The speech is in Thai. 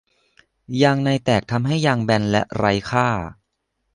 ยางในแตกทำให้ยางแบนและไร้ค่า